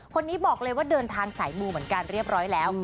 คนนี้บอกเลยว่าเดินทางสายมูเหมือนกันเรียบร้อยแล้ว